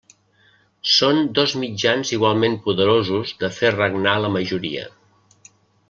Són dos mitjans igualment poderosos de fer regnar la majoria.